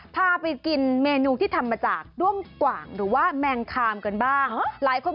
พาไปกินเมนูที่ทำมาจากด้วงกว่างหรือว่าแมงคามกันบ้างหลายคน